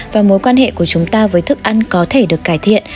và mối quan hệ của chúng ta với thức ăn có thể được cải thiện